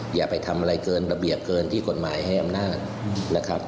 อย่าไปทำอะไรเกินระเบียบเกินที่กฎหมายให้อำนาจนะครับ